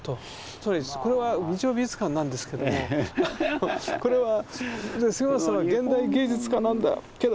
つまりこれは「日曜美術館」なんですけどもこれは杉本さんは現代芸術家なんだけど。